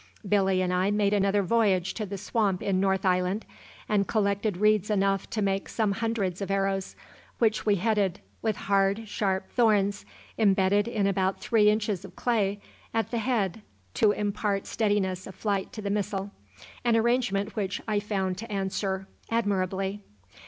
Billy and I made another voyage to the swamp in North Island and collected reeds enough to make some hundreds of arrows, which we headed with hard, sharp thorns, embedded in about three inches of clay at the head to impart steadiness of flight to the missile, an arrangement which I found to answer admirably.